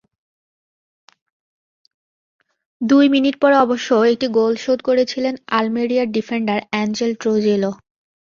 দুই মিনিট পরে অবশ্য একটি গোল শোধ করেছিলেন আলমেরিয়ার ডিফেন্ডার অ্যাঞ্জেল ট্রুজিলো।